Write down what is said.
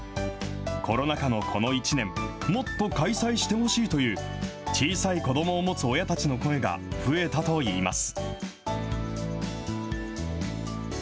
コロナ禍のこの１年、もっと開催してほしいという、小さい子どもを持つ親たちの声が増えたといいます。